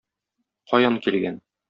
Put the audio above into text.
Каян килгән?